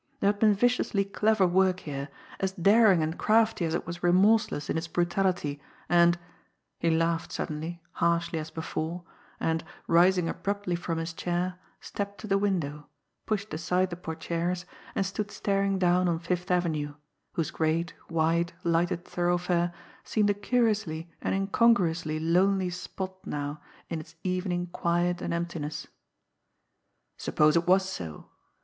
There had been viciously clever work here, as daring and crafty as it was remorseless in its brutality, and he laughed suddenly, harshly as before, and, rising abruptly from his chair, stepped to the window, pushed aside the portières, and stood staring down on Fifth Avenue, whose great, wide, lighted thoroughfare seemed a curiously and incongruously lonely spot now in its evening quiet and emptiness. Suppose it was so!